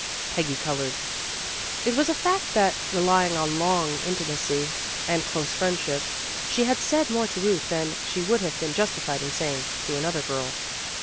Peggy colored. It was a fact that, relying on long intimacy and close friendship, she had said more to Ruth than she would have been justified in saying to another girl.